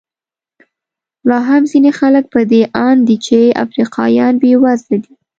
لا هم ځینې خلک په دې اند دي چې افریقایان بېوزله دي.